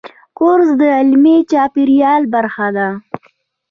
کورس د علمي چاپېریال برخه ده.